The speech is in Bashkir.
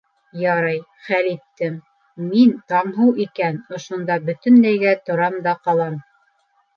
Ярай, хәл иттем: мин Таңһыу икән, ошонда бөтөнләйгә торам да ҡалам.